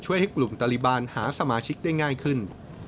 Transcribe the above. ให้กลุ่มตลิบาลหาสมาชิกได้ง่ายขึ้น